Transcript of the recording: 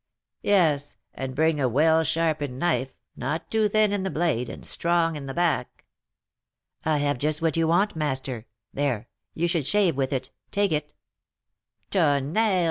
"Yes; and bring a well sharpened knife, not too thin in the blade, and strong in the back." "I have just what you want, master. There, you could shave with it. Take it " "Tonnerre, M.